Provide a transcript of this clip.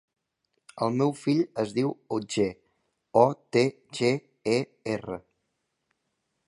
El meu fill es diu Otger: o, te, ge, e, erra.